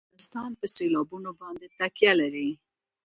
افغانستان په سیلابونه باندې تکیه لري.